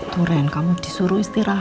tuh ren kamu disuruh istirahat